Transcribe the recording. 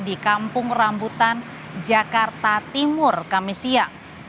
di kampung rambutan jakarta timur kamisia